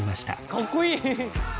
かっこいい。